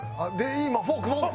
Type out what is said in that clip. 今フォークフォーク！